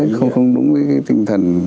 không đúng với cái tinh thần